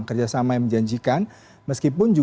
kerjasama yang menjanjikan meskipun